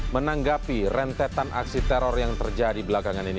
menanggapi rentetan aksi teror yang terjadi belakangan ini